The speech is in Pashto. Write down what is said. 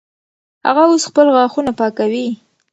هغه اوس خپل غاښونه پاکوي.